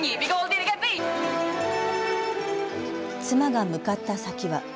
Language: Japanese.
妻が向かった先は。